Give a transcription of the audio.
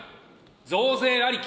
増税ありき。